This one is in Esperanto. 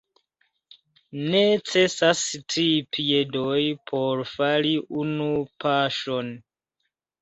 Necesas tri piedoj por fari unu paŝon.